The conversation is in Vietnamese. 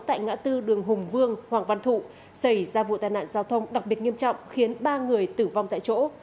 tại ngã tư đường hùng vương hoàng văn thụ xảy ra vụ tai nạn giao thông đặc biệt nghiêm trọng khiến ba người tử vong tại chỗ